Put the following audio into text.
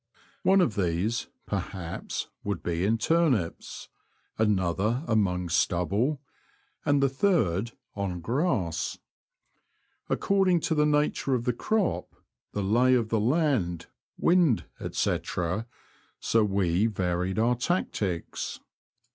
One of these, perhaps, would be in turnips, another among stubble, and the third on grass. Ac cording to the nature of the crop, the lay of the land, wind, ^c, so we varied our tactics.